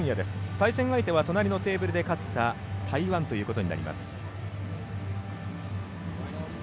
対戦相手は隣のテーブルで勝った台湾ということになります。